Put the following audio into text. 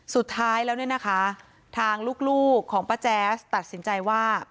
สุดท้ายแล้วเนี่ยนะคะทางลูกของป้าแจ๊สตัดสินใจว่า